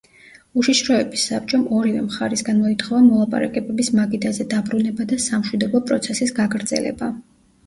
უშიშროების საბჭომ ორივე მხარისგან მოითხოვა მოლაპარაკებების მაგიდაზე დაბრუნება და სამშვიდობო პროცესის გაგრძელება.